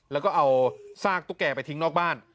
แล้วก็เอาซากตุ๊กแกไปทิ้งนอกบ้าน